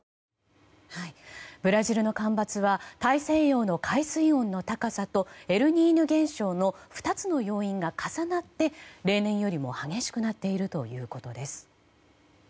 ブラジルの干ばつは大西洋の海水温の高さとエルニーニョ現象の２つの要因が重なって例年よりも激しくなっているということです。